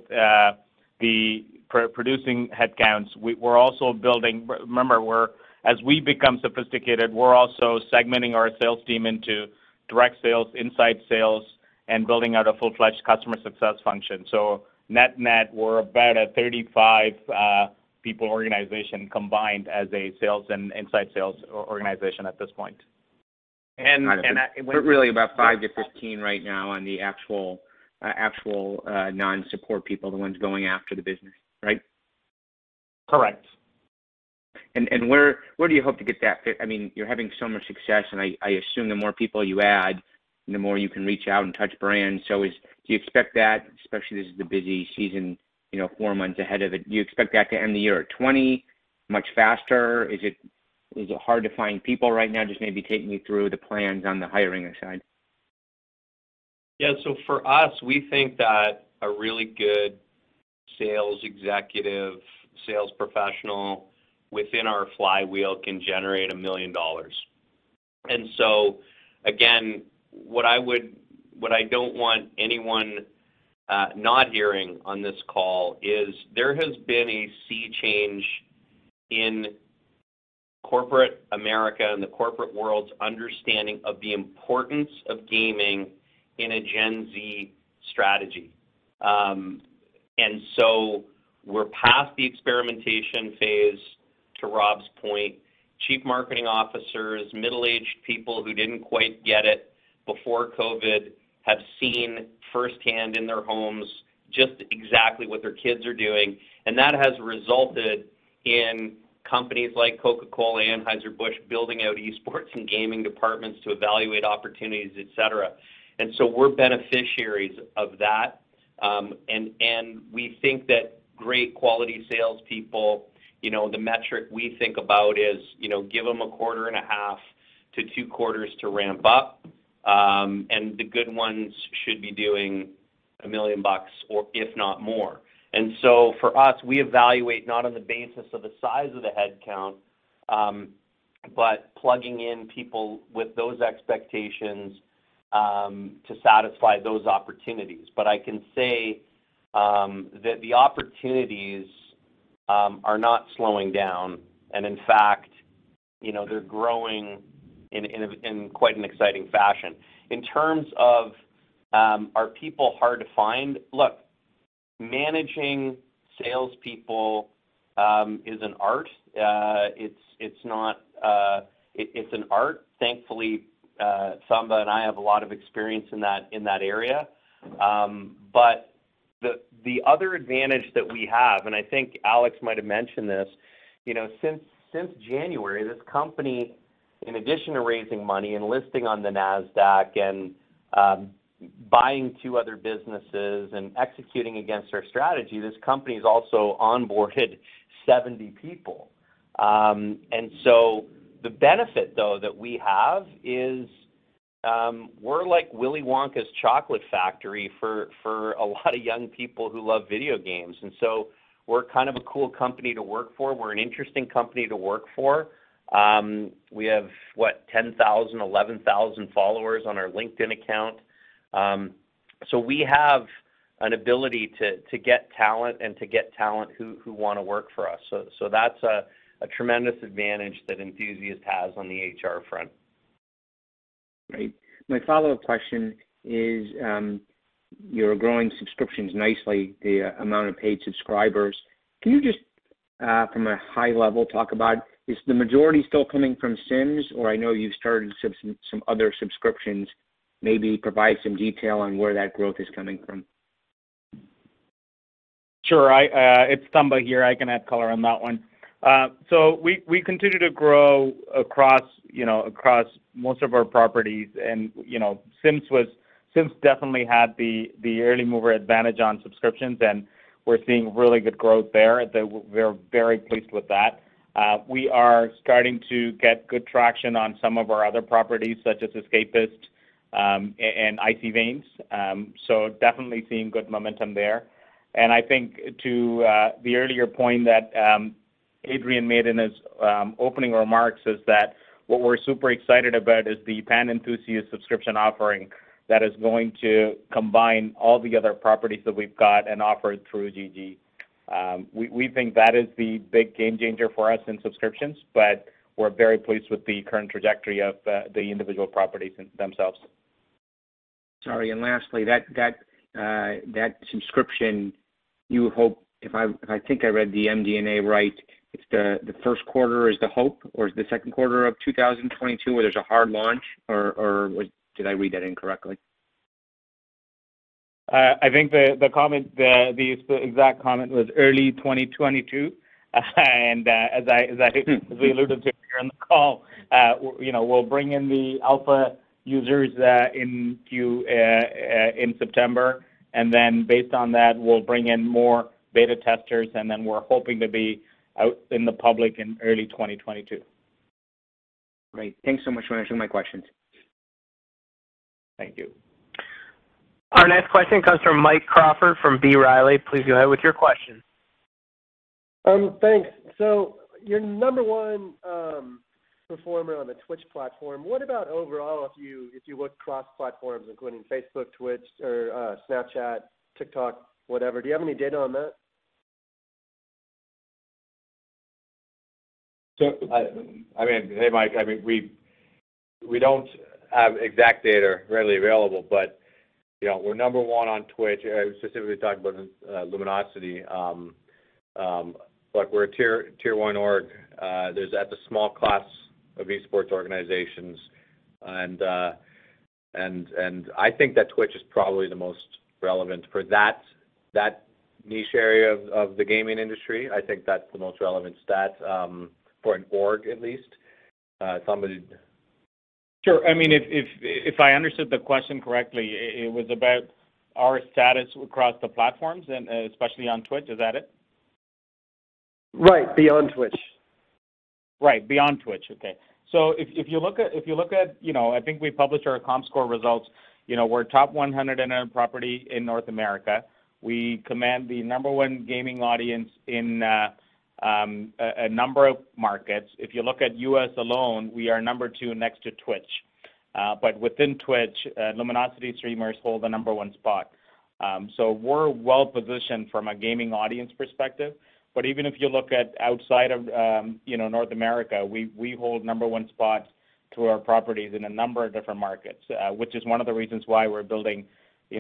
Speaker 7: the producing headcounts. We're also building. Remember, as we become sophisticated, we're also segmenting our sales team into direct sales, inside sales, and building out a full-fledged customer success function. Net-net, we're about a 35-people organization combined as a sales and inside sales organization at this point.
Speaker 8: Got it. Really about 5-15 right now on the actual non-support people, the ones going after the business, right?
Speaker 7: Correct.
Speaker 8: Where do you hope to get that to? You're having so much success, and I assume the more people you add, the more you can reach out and touch brands. Do you expect that, especially this is the busy season, four months ahead of it, do you expect that to end the year at 20? Much faster? Is it hard to find people right now? Just maybe take me through the plans on the hiring side?
Speaker 4: For us, we think that a really good sales executive, sales professional within our flywheel can generate $1 million. Again, what I don't want anyone not hearing on this call is there has been a sea change in corporate America and the corporate world's understanding of the importance of gaming in a Gen Z strategy. We're past the experimentation phase, to Rob's point. Chief marketing officers, middle-aged people who didn't quite get it before COVID, have seen firsthand in their homes just exactly what their kids are doing, and that has resulted in companies like Coca-Cola, Anheuser-Busch, building out esports and gaming departments to evaluate opportunities, et cetera. We're beneficiaries of that, and we think that great quality salespeople, the metric we think about is give them a quarter and a half to two quarters to ramp up, and the good ones should be doing 1 million bucks or if not more. For us, we evaluate not on the basis of the size of the headcount, but plugging in people with those expectations to satisfy those opportunities. I can say that the opportunities are not slowing down, and in fact, they're growing in quite an exciting fashion. In terms of are people hard to find, look, managing salespeople is an art. It's an art. Thankfully, Thamba Tharmalingam and I have a lot of experience in that area.
Speaker 3: The other advantage that we have, and I think Alex might have mentioned this, since January, this company, in addition to raising money and listing on the NASDAQ and buying 2 other businesses and executing against our strategy, this company's also onboarded 70 people. The benefit, though, that we have is we're like Willy Wonka's Chocolate Factory for a lot of young people who love video games. We're kind of a cool company to work for. We're an interesting company to work for. We have what, 10,000, 11,000 followers on our LinkedIn account. We have an ability to get talent and to get talent who want to work for us. That's a tremendous advantage that Enthusiast has on the HR front.
Speaker 8: Great. My follow-up question is, you're growing subscriptions nicely, the amount of paid subscribers. Can you just from a high-level talk about, is the majority still coming from Sims? Or I know you've started some other subscriptions, maybe provide some detail on where that growth is coming from.
Speaker 7: Sure. It's Thamba here. I can add color on that one. We continue to grow across most of our properties, and Sims definitely had the early mover advantage on subscriptions, and we're seeing really good growth there. We're very pleased with that. We are starting to get good traction on some of our other properties such as Escapist and Icy Veins. Definitely seeing good momentum there. I think to the earlier point that Adrian made in his opening remarks is that what we're super excited about is the Pan-Enthusiast subscription offering that is going to combine all the other properties that we've got and offer it through GG. We think that is the big game changer for us in subscriptions, but we're very pleased with the current trajectory of the individual properties themselves.
Speaker 8: Sorry, lastly, that subscription you hope, if I think I read the MD&A right, if the first quarter is the hope or is the second quarter of 2022 where there's a hard launch? Or did I read that incorrectly?
Speaker 7: I think the exact comment was early 2022. As I alluded to here on the call, we'll bring in the alpha users in September, and then based on that, we'll bring in more beta testers, and then we're hoping to be out in the public in early 2022.
Speaker 8: Great. Thanks so much for answering my questions.
Speaker 7: Thank you.
Speaker 1: Our next question comes from Mike Crawford from B. Riley. Please go ahead with your question.
Speaker 9: Thanks. You're number 1 performer on the Twitch platform. What about overall if you look cross-platforms, including Facebook, Twitch or Snapchat, TikTok, whatever? Do you have any data on that?
Speaker 3: Hey, Mike. We don't have exact data readily available, but we're number 1 on Twitch specifically talking about Luminosity. We're a tier 1 org. There's that small class of esports organizations, and I think that Twitch is probably the most relevant for that niche area of the gaming industry. I think that's the most relevant stat for an org at least. Thamba did
Speaker 7: Sure. If I understood the question correctly, it was about our status across the platforms and especially on Twitch. Is that it?
Speaker 9: Right, beyond Twitch.
Speaker 7: Beyond Twitch. I think we published our Comscore results. We're top 100 internet property in North America. We command the number one gaming audience in a number of markets. If you look at U.S. alone, we are number two next to Twitch. Within Twitch, Luminosity streamers hold the number 1 spot. We're well-positioned from a gaming audience perspective. Even if you look at outside of North America, we hold number one spots to our properties in a number of different markets, which is one of the reasons why we're building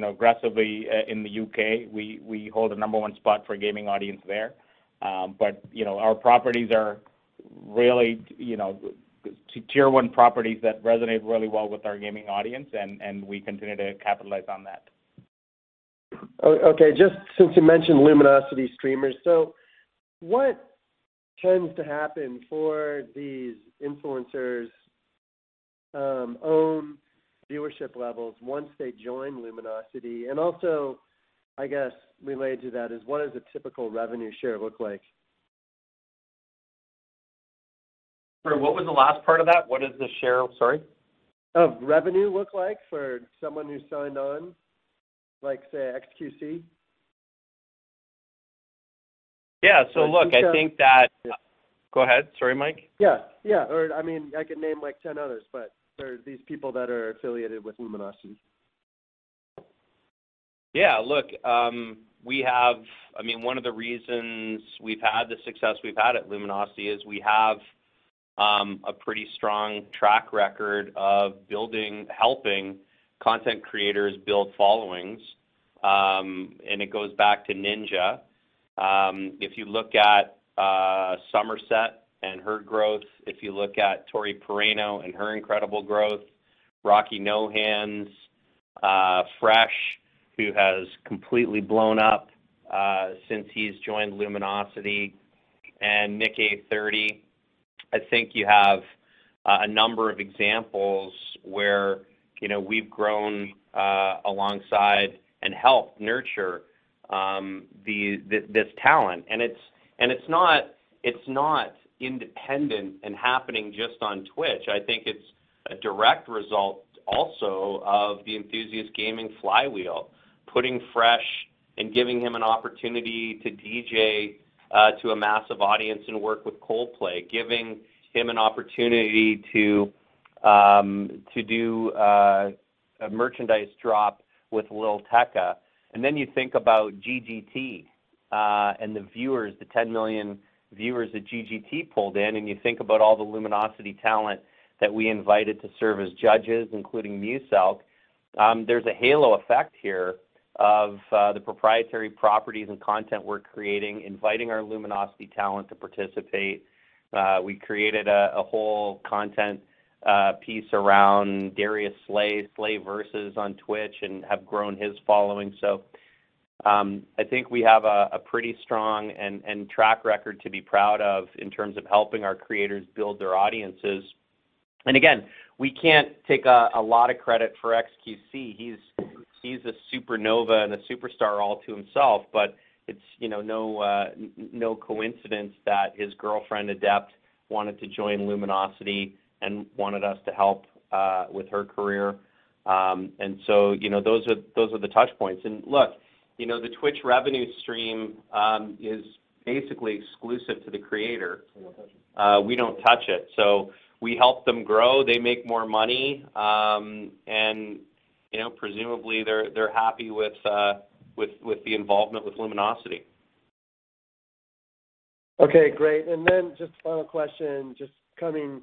Speaker 7: aggressively in the U.K. We hold the number one spot for a gaming audience there. Our properties are really tier 1 properties that resonate really well with our gaming audience, and we continue to capitalize on that.
Speaker 9: Okay. Just since you mentioned Luminosity streamers, what tends to happen for these influencers' own viewership levels once they join Luminosity? I guess related to that is what does a typical revenue share look like?
Speaker 3: Sorry, what was the last part of that? What is the share? Sorry.
Speaker 9: Of revenue look like for someone who's signed on, like say, xQc?
Speaker 3: Yeah. Look, I think that Go ahead. Sorry, Mike.
Speaker 9: Yeah. I mean, I could name 10 others, but there are these people that are affiliated with Luminosity.
Speaker 3: Yeah, look, one of the reasons we've had the success we've had at Luminosity is we have a pretty strong track record of helping content creators build followings. It goes back to Ninja. If you look at Sommerset and her growth, if you look at Tori Pareno and her incredible growth, Rocky NoHands, Fresh, who has completely blown up since he's joined Luminosity, and Nick Eh 30. I think you have a number of examples where we've grown alongside and helped nurture this talent. It's not independent and happening just on Twitch. I think it's a direct result also of the Enthusiast Gaming flywheel, putting Fresh and giving him an opportunity to DJ to a massive audience and work with Coldplay, giving him an opportunity to do a merchandise drop with Lil Tecca. You think about GGT, and the viewers, the 10 million viewers that GGT pulled in, and you think about all the Luminosity talent that we invited to serve as judges, including Muselk. There's a halo effect here of the proprietary properties and content we're creating, inviting our Luminosity talent to participate. We created a whole content piece around Darius Slay Vs on Twitch, and have grown his following. I think we have a pretty strong track record to be proud of in terms of helping our creators build their audiences. Again, we can't take a lot of credit for xQc. He's a supernova and a superstar all to himself. It's no coincidence that his girlfriend, Adept, wanted to join Luminosity and wanted us to help with her career. Those are the touch points. Look, the Twitch revenue stream is basically exclusive to the creator. We don't touch it. We don't touch it. We help them grow, they make more money, and presumably, they're happy with the involvement with Luminosity.
Speaker 9: Okay, great. Just a final question, just coming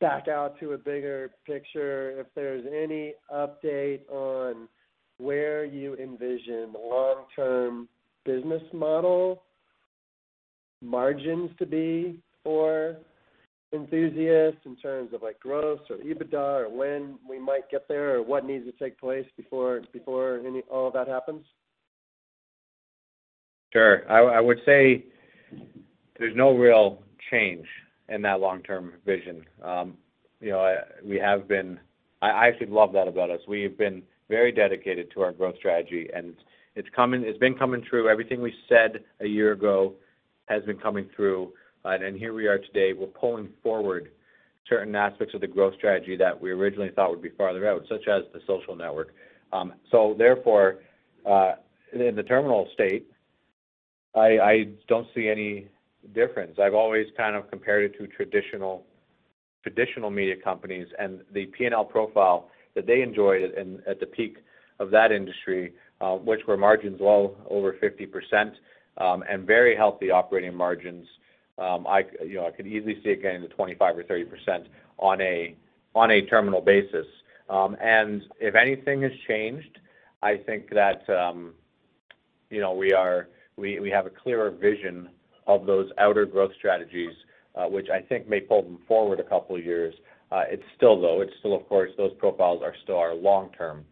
Speaker 9: back out to a bigger picture, if there's any update on where you envision the long-term business model margins to be for Enthusiast in terms of growth or EBITDA or when we might get there or what needs to take place before any all of that happens?
Speaker 4: Sure. I would say there's no real change in that long-term vision. I actually love that about us. We've been very dedicated to our growth strategy, and it's been coming true. Everything we said a year ago has been coming through, and here we are today. We're pulling forward certain aspects of the growth strategy that we originally thought would be farther out, such as the social network. Therefore, in the terminal state, I don't see any difference. I've always kind of compared it to traditional media companies and the P&L profile that they enjoyed at the peak of that industry, which were margins well over 50% and very healthy operating margins. I could easily see it getting to 25% or 30% on a terminal basis. If anything has changed, I think that we have a clearer vision of those outer growth strategies, which I think may pull them forward a couple of years. It's still low. Of course, those profiles are still our long-term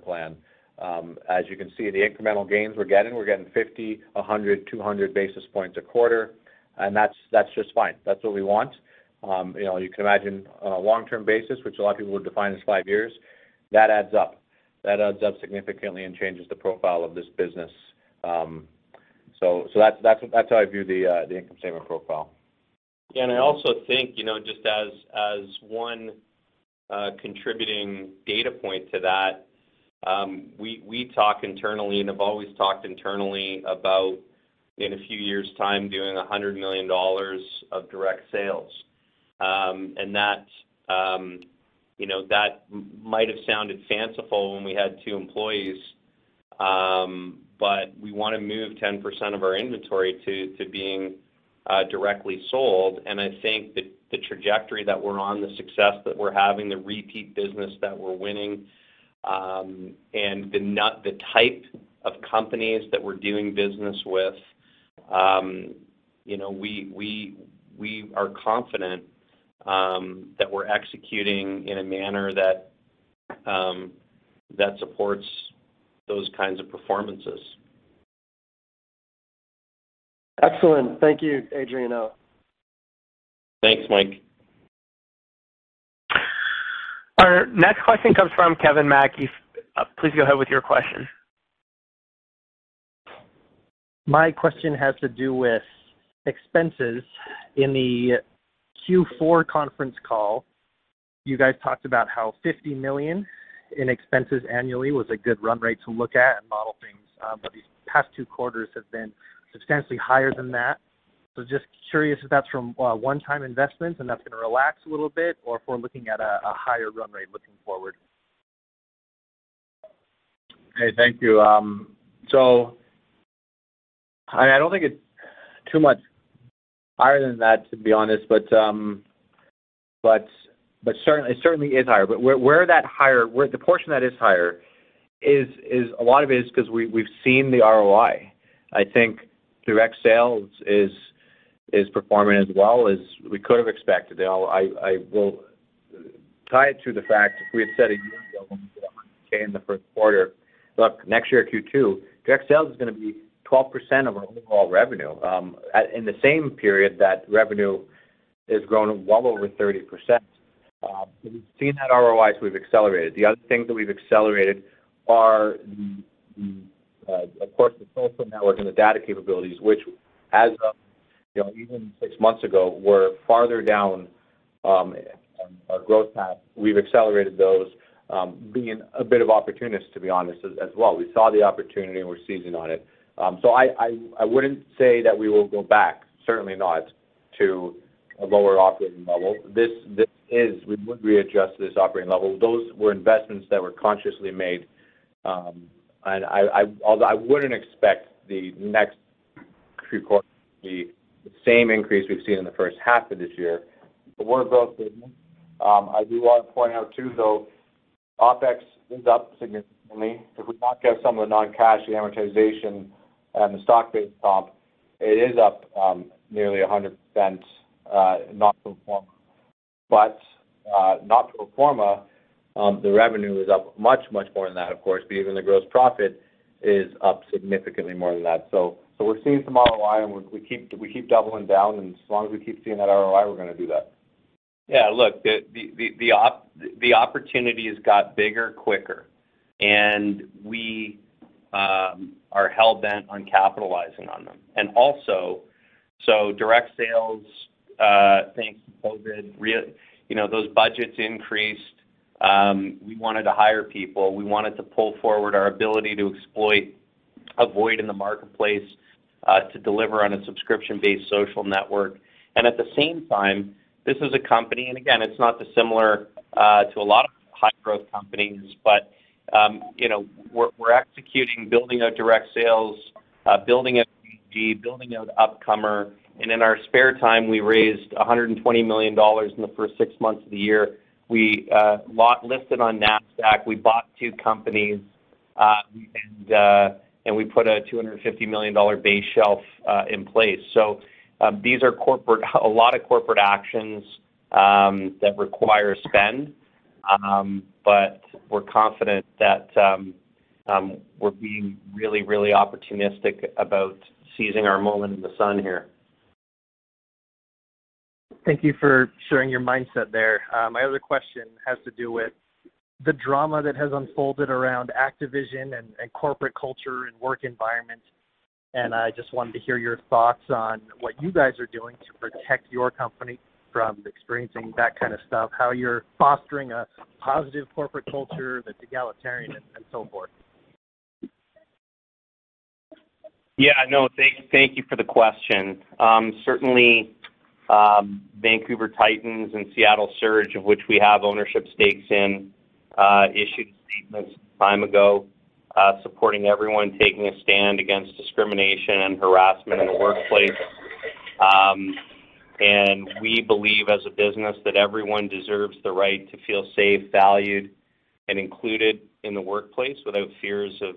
Speaker 4: plan. As you can see, the incremental gains we're getting, we're getting 50, 100, 200 basis points a quarter, and that's just fine. That's what we want. You can imagine a long-term basis, which a lot of people would define as five years. That adds up. That adds up significantly and changes the profile of this business. That's how I view the income statement profile.
Speaker 3: I also think just as one contributing data point to that, we talk internally and have always talked internally about in a few years' time doing 100 million dollars of direct sales. That might have sounded fanciful when we had two employees, but we want to move 10% of our inventory to being directly sold. I think that the trajectory that we're on, the success that we're having, the repeat business that we're winning, and the type of companies that we're doing business with, we are confident that we're executing in a manner that supports those kinds of performances.
Speaker 9: Excellent. Thank you, Adrian, Al.
Speaker 3: Thanks, Mike.
Speaker 1: Our next question comes from Kevin Mackey. Please go ahead with your question.
Speaker 10: My question has to do with expenses. In the Q4 conference call, you guys talked about how 50 million in expenses annually was a good run rate to look at and model things. These past two quarters have been substantially higher than that. Just curious if that's from one-time investments and that's going to relax a little bit, or if we're looking at a higher run rate looking forward.
Speaker 4: Okay, thank you. I don't think it's too much higher than that, to be honest, but it certainly is higher. Where the portion that is higher is, a lot of it is because we've seen the ROI. I think direct sales is performing as well as we could have expected. I will tie it to the fact if we had said a year ago when we did 100,000 in the first quarter. Look, next year, Q2, direct sales is going to be 12% of our overall revenue in the same period that revenue has grown well over 30%. We've seen that ROI, so we've accelerated. The other things that we've accelerated are of course, the social network and the data capabilities, which as of even six months ago, were farther down our growth path. We've accelerated those, being a bit of opportunist, to be honest as well. We saw the opportunity and we're seizing on it. I wouldn't say that we will go back, certainly not, to a lower operating level. We would readjust to this operating level. Those were investments that were consciously made. Although I wouldn't expect the next three quarters to be the same increase we've seen in the first half of this year. We're both business. I do want to point out, too, though, OpEx is up significantly. If we block out some of the non-cash, the amortization, and the stock-based comp, it is up nearly 100% not pro forma. Not pro forma, the revenue is up much, much more than that, of course, even the gross profit is up significantly more than that. We're seeing some ROI, and we keep doubling down, and as long as we keep seeing that ROI, we're going to do that.
Speaker 3: Yeah, look, the opportunities got bigger quicker, and we are hell-bent on capitalizing on them. Direct sales, thanks to COVID, those budgets increased. We wanted to hire people. We wanted to pull forward our ability to exploit a void in the marketplace to deliver on a subscription-based social network. At the same time, this is a company, and again, it's not dissimilar to a lot of high-growth companies, but we're executing building out direct sales, building out GG, building out Upcomer. In our spare time, we raised 120 million dollars in the first six months of the year. We listed on NASDAQ, we bought two companies, and we put a 250 million dollar base shelf in place. These are a lot of corporate actions that require spend, but we're confident that we're being really, really opportunistic about seizing our moment in the sun here.
Speaker 10: Thank you for sharing your mindset there. My other question has to do with the drama that has unfolded around Activision and corporate culture and work environment. I just wanted to hear your thoughts on what you guys are doing to protect your company from experiencing that kind of stuff, how you're fostering a positive corporate culture that's egalitarian and so forth.
Speaker 3: Yeah, no, thank you for the question. Certainly, Vancouver Titans and Seattle Surge, of which we have ownership stakes in, issued a statement some time ago supporting everyone taking a stand against discrimination and harassment in the workplace. We believe as a business that everyone deserves the right to feel safe, valued, and included in the workplace without fears of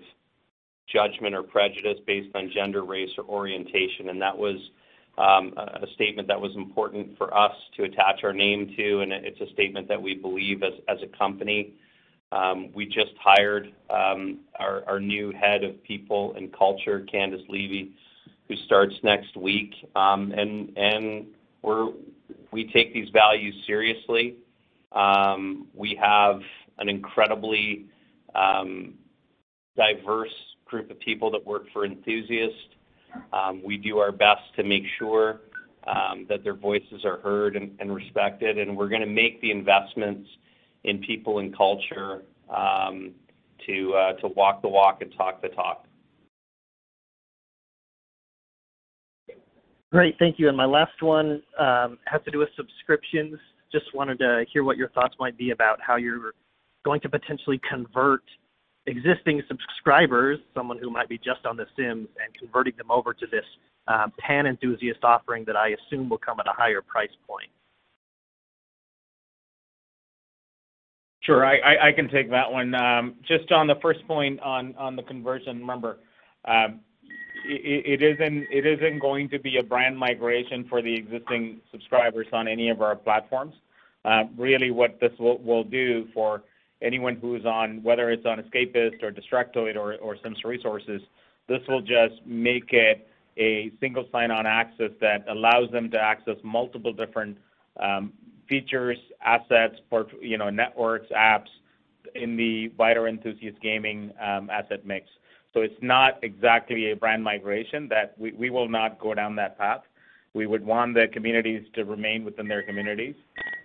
Speaker 3: judgment or prejudice based on gender, race, or orientation. That was a statement that was important for us to attach our name to, and it's a statement that we believe as a company. We just hired our new head of people and culture, Candice Levy, who starts next week. We take these values seriously. We have an incredibly diverse group of people that work for Enthusiast. We do our best to make sure that their voices are heard and respected, and we're going to make the investments in people and culture to walk the walk and talk the talk.
Speaker 10: Great. Thank you. My last one has to do with subscriptions. Just wanted to hear what your thoughts might be about how you're going to potentially convert existing subscribers, someone who might be just on The Sims and converting them over to this pan-Enthusiast offering that I assume will come at a higher price point.
Speaker 7: Sure. I can take that one. Just on the first point on the conversion, remember, it isn't going to be a brand migration for the existing subscribers on any of our platforms. Really what this will do for anyone who is on, whether it's on Escapist or Destructoid or The Sims Resource, this will just make it a single sign-on access that allows them to access multiple different features, assets, networks, apps in the wider Enthusiast Gaming asset mix. It's not exactly a brand migration. We will not go down that path. We would want the communities to remain within their communities,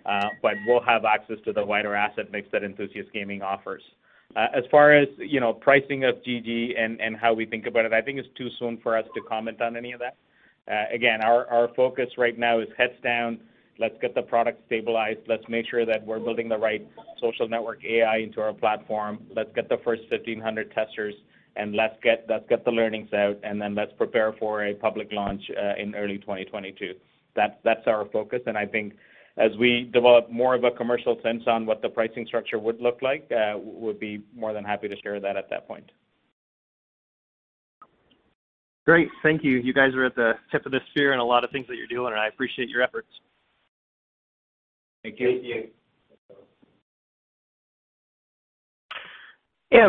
Speaker 7: but will have access to the wider asset mix that Enthusiast Gaming offers. As far as pricing of GG and how we think about it, I think it's too soon for us to comment on any of that. Our focus right now is heads down. Let's get the product stabilized. Let's make sure that we're building the right social network AI into our platform. Let's get the first 1,500 testers, and let's get the learnings out, and then let's prepare for a public launch in early 2022. That's our focus, and I think as we develop more of a commercial sense on what the pricing structure would look like, we'll be more than happy to share that at that point.
Speaker 10: Great. Thank you. You guys are at the tip of the spear in a lot of things that you're doing, and I appreciate your efforts.
Speaker 7: Thank you.
Speaker 3: Thank you.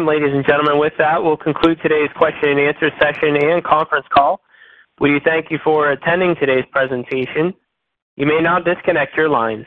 Speaker 1: Ladies and gentlemen, with that, we'll conclude today's question and answer session and conference call. We thank you for attending today's presentation. You may now disconnect your lines.